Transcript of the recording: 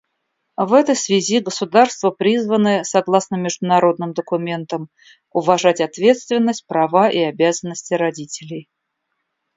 В этой связи государства призваны, согласно международным документам, уважать ответственность, права и обязанности родителей.